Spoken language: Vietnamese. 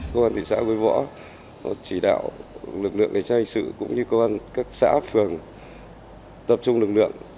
công an thị xã quế võ chỉ đạo lực lượng gây tranh sự cũng như công an các xã phường tập trung lực lượng